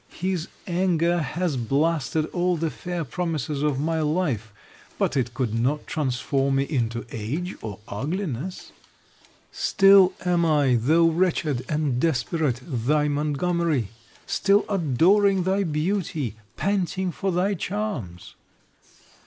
His anger has blasted all the fair promises of my life; but it could not transform me into age or ugliness. Still am I, though wretched and desperate, thy Montgomery; still adoring thy beauty, panting for thy charms.